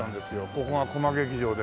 ここがコマ劇場でね。